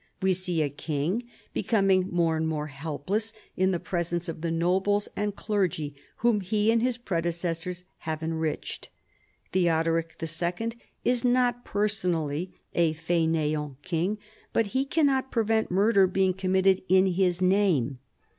We see a king becoming more and more helpless in the presence of the nobles and clergy whom he and his predecessors have enriched. Theo. doric II. is not personally a faineant king, but he cannot prevent murder being committed in his name. 26 CHARLEMAGNE.